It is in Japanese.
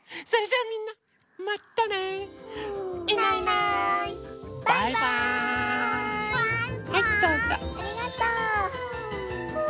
ありがとう。